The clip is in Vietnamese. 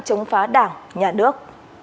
chống phá đảng nhà nước